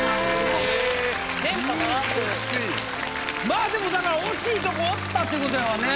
まあでもだから惜しいとこおったってことやわね。